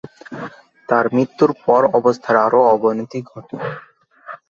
তার মৃত্যুর পর অবস্থার আরো অবনতি ঘটে।